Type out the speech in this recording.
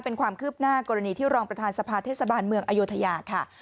เป็นความคืบหน้ากรณีที่รองประธานสภาเทศบาลเมืองอโยธยาค่ะ